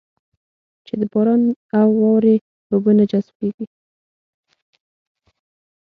چې د باران او واورې اوبه نه جذب کېږي.